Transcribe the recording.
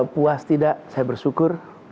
puas tidak saya bersyukur